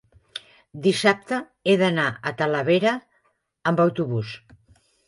dissabte he d'anar a Talavera amb autobús.